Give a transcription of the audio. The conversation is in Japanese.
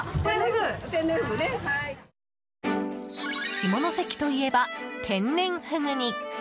下関といえば天然フグに。